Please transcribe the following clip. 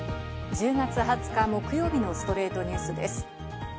１０月２０日、木曜日の『ストレイトニュース』です。